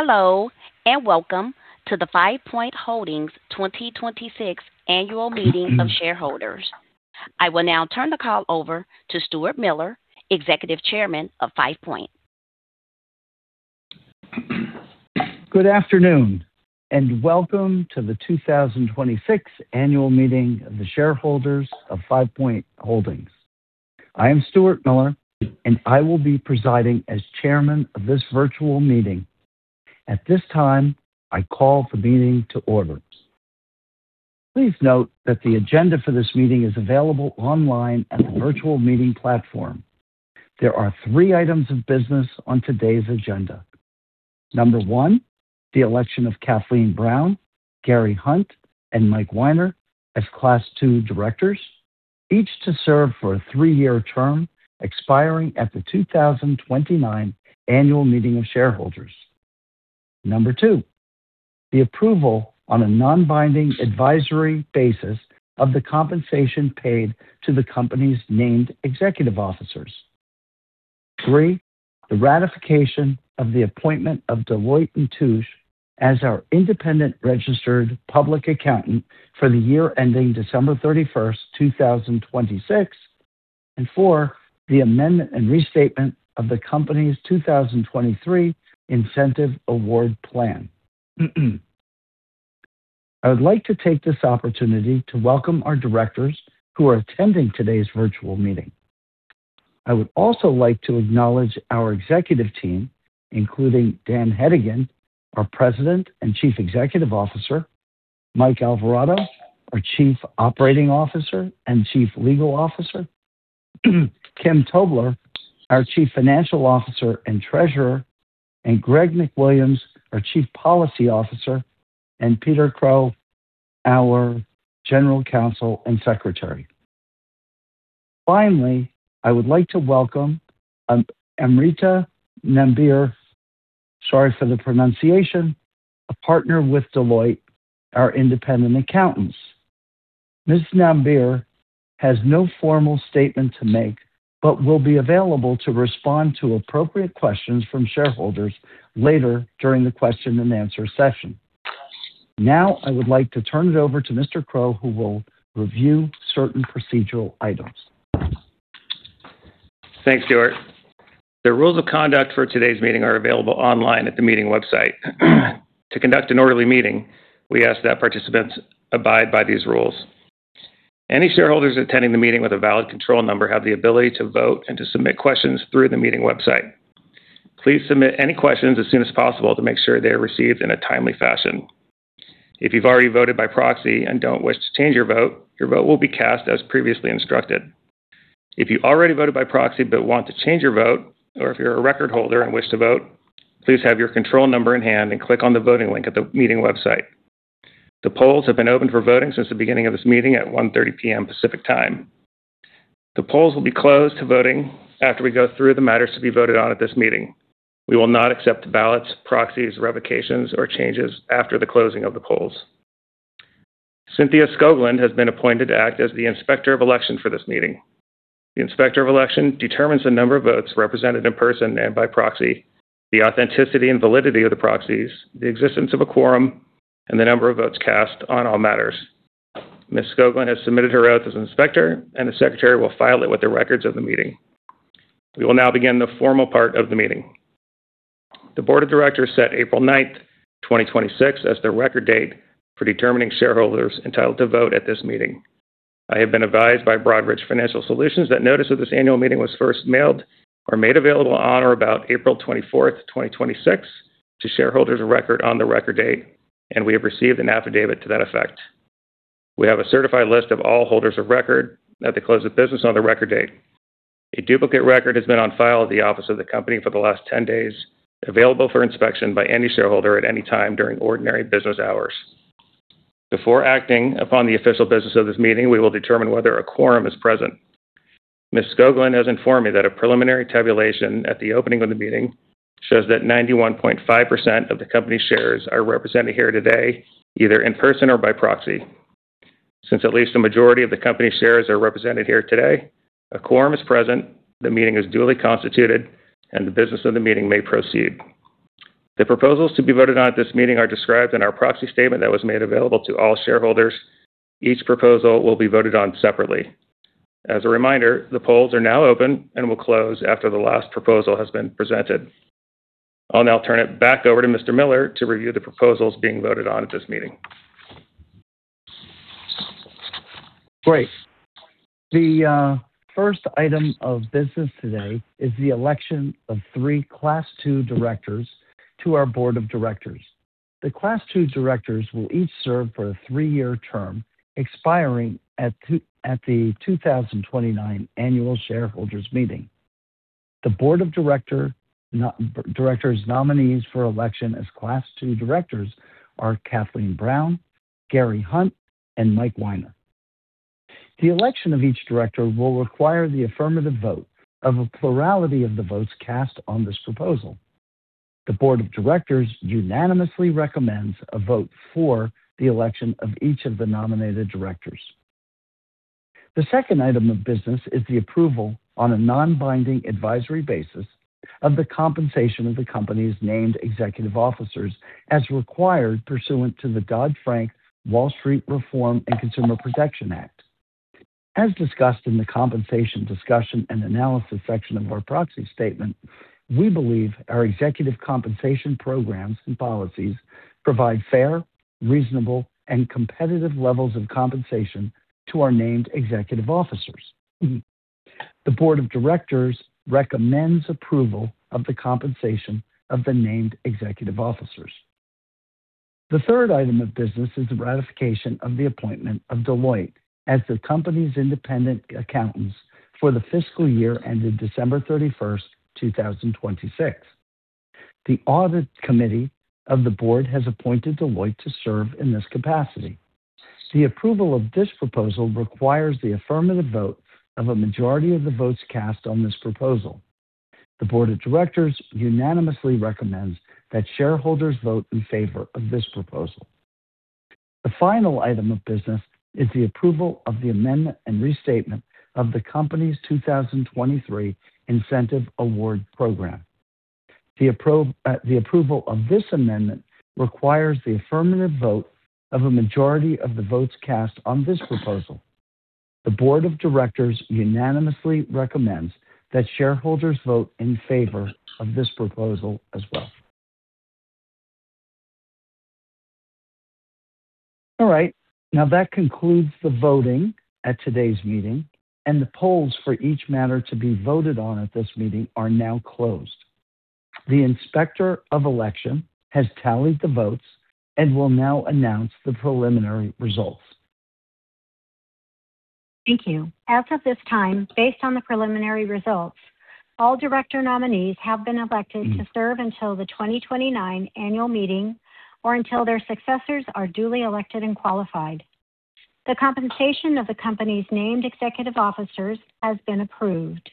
Hello, welcome to the Five Point Holdings 2026 annual meeting of shareholders. I will now turn the call over to Stuart Miller, Executive Chairman of Five Point. Good afternoon, welcome to the 2026 Annual Meeting of Shareholders of Five Point Holdings. I am Stuart Miller, and I will be presiding as chairman of this virtual meeting. At this time, I call the meeting to order. Please note that the agenda for this meeting is available online at the virtual meeting platform. There are three items of business on today's agenda. Number one, the election of Kathleen Brown, Gary Hunt, and Mike Winer as Class II directors, each to serve for a three-year term expiring at the 2029 Annual Meeting of Shareholders. Number two, the approval on a non-binding advisory basis of the compensation paid to the company's named executive officers. Three, the ratification of the appointment of Deloitte & Touche as our independent registered public accountant for the year ending December 31st, 2026. Four, the amendment and restatement of the company's 2023 Incentive Award Plan. I would like to take this opportunity to welcome our directors who are attending today's virtual meeting. I would also like to acknowledge our executive team, including Dan Hedigan, our President and Chief Executive Officer, Mike Alvarado, our Chief Operating Officer and Chief Legal Officer, Kim Tobler, our Chief Financial Officer and Treasurer, and Greg McWilliams, our Chief Policy Officer, and Peter Krogh, our General Counsel and Secretary. Finally, I would like to welcome Amrita Nambiar, sorry for the pronunciation, a partner with Deloitte, our independent accountants. Ms. Nambiar has no formal statement to make, but will be available to respond to appropriate questions from shareholders later during the question and answer session. I would like to turn it over to Mr. Krogh, who will review certain procedural items. Thanks, Stuart. The rules of conduct for today's meeting are available online at the meeting website. To conduct an orderly meeting, we ask that participants abide by these rules. Any shareholders attending the meeting with a valid control number have the ability to vote and to submit questions through the meeting website. Please submit any questions as soon as possible to make sure they are received in a timely fashion. If you've already voted by proxy and don't wish to change your vote, your vote will be cast as previously instructed. If you already voted by proxy but want to change your vote, or if you're a record holder and wish to vote, please have your control number in hand and click on the voting link at the meeting website. The polls have been open for voting since the beginning of this meeting at 1:30 PM Pacific Time. The polls will be closed to voting after we go through the matters to be voted on at this meeting. We will not accept ballots, proxies, revocations, or changes after the closing of the polls. Cynthia Skoglund has been appointed to act as the Inspector of Election for this meeting. The Inspector of Election determines the number of votes represented in person and by proxy, the authenticity and validity of the proxies, the existence of a quorum, and the number of votes cast on all matters. Ms. Skoglund has submitted her oath as Inspector, and the Secretary will file it with the records of the meeting. We will now begin the formal part of the meeting. The board of directors set April 9th, 2026, as their record date for determining shareholders entitled to vote at this meeting. I have been advised by Broadridge Financial Solutions that notice of this annual meeting was first mailed or made available on or about April 24th, 2026 to shareholders of record on the record date, and we have received an affidavit to that effect. We have a certified list of all holders of record at the close of business on the record date. A duplicate record has been on file at the office of the company for the last 10 days, available for inspection by any shareholder at any time during ordinary business hours. Before acting upon the official business of this meeting, we will determine whether a quorum is present. Ms. Skoglund has informed me that a preliminary tabulation at the opening of the meeting shows that 91.5% of the company's shares are represented here today, either in person or by proxy. Since at least a majority of the company's shares are represented here today, a quorum is present, the meeting is duly constituted, and the business of the meeting may proceed. The proposals to be voted on at this meeting are described in our proxy statement that was made available to all shareholders. Each proposal will be voted on separately. As a reminder, the polls are now open and will close after the last proposal has been presented. I'll now turn it back over to Mr. Miller to review the proposals being voted on at this meeting. Great. The first item of business today is the election of three Class II directors to our board of directors. The Class II directors will each serve for a three-year term expiring at the 2029 annual shareholders meeting. The board of directors' nominees for election as Class II directors are Kathleen Brown, Gary Hunt, and Mike Winer. The election of each director will require the affirmative vote of a plurality of the votes cast on this proposal. The board of directors unanimously recommends a vote for the election of each of the nominated directors. The second item of business is the approval on a non-binding advisory basis of the compensation of the company's named executive officers, as required pursuant to the Dodd-Frank Wall Street Reform and Consumer Protection Act. As discussed in the compensation discussion and analysis section of our proxy statement, we believe our executive compensation programs and policies provide fair, reasonable, and competitive levels of compensation to our named executive officers. The board of directors recommends approval of the compensation of the named executive officers. The third item of business is the ratification of the appointment of Deloitte as the company's independent accountants for the fiscal year ended December 31st, 2026. The audit committee of the board has appointed Deloitte to serve in this capacity. The approval of this proposal requires the affirmative vote of a majority of the votes cast on this proposal. The board of directors unanimously recommends that shareholders vote in favor of this proposal. The final item of business is the approval of the amendment and restatement of the company's 2023 Incentive Award Program. The approval of this amendment requires the affirmative vote of a majority of the votes cast on this proposal. The board of directors unanimously recommends that shareholders vote in favor of this proposal as well. All right. Now that concludes the voting at today's meeting, and the polls for each matter to be voted on at this meeting are now closed. The inspector of election has tallied the votes and will now announce the preliminary results. Thank you. As of this time, based on the preliminary results, all director nominees have been elected to serve until the 2029 annual meeting or until their successors are duly elected and qualified. The compensation of the company's named executive officers has been approved.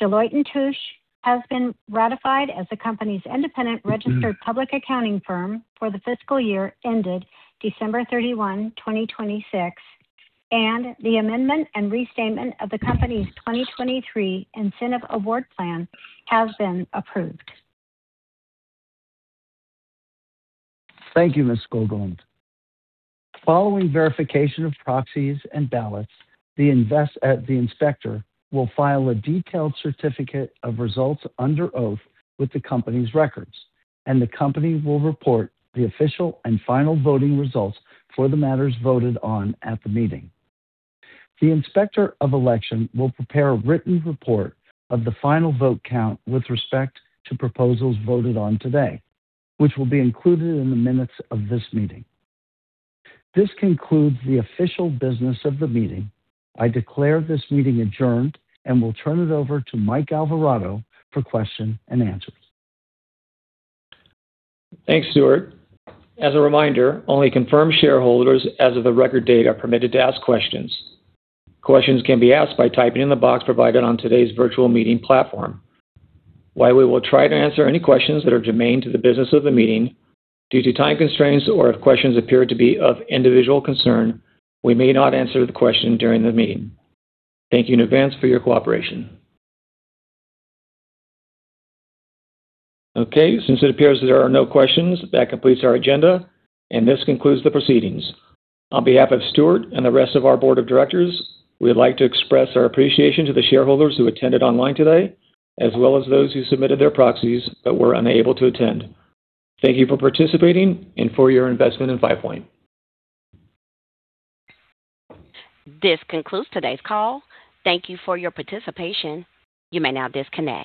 Deloitte & Touche has been ratified as the company's independent registered public accounting firm for the fiscal year ended December 31, 2026, and the amendment and restatement of the company's 2023 Incentive Award Plan has been approved. Thank you, Ms. Skoglund. Following verification of proxies and ballots, the inspector will file a detailed certificate of results under oath with the company's records, and the company will report the official and final voting results for the matters voted on at the meeting. The inspector of election will prepare a written report of the final vote count with respect to proposals voted on today, which will be included in the minutes of this meeting. This concludes the official business of the meeting. I declare this meeting adjourned and will turn it over to Mike Alvarado for question and answers. Thanks, Stuart. As a reminder, only confirmed shareholders as of the record date are permitted to ask questions. Questions can be asked by typing in the box provided on today's virtual meeting platform. While we will try to answer any questions that are germane to the business of the meeting, due to time constraints, or if questions appear to be of individual concern, we may not answer the question during the meeting. Thank you in advance for your cooperation. Okay, since it appears there are no questions, that completes our agenda, and this concludes the proceedings. On behalf of Stuart and the rest of our board of directors, we'd like to express our appreciation to the shareholders who attended online today, as well as those who submitted their proxies but were unable to attend. Thank you for participating and for your investment in Five Point. This concludes today's call. Thank you for your participation. You may now disconnect.